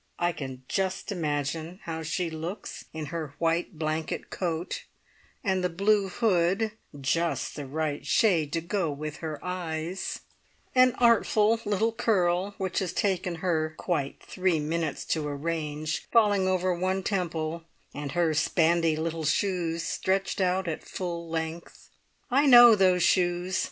I can just imagine how she looks, in her white blanket coat, and the blue hood just the right shade to go with her eyes an artful little curl, which has taken her quite three minutes to arrange, falling over one temple, and her spandy little shoes stretched out at full length. I know those shoes!